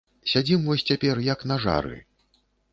Сядзім вось цяпер, як на жары.